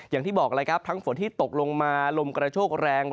อย่างที่บอกเลยครับทั้งฝนที่ตกลงมาลมกระโชกแรง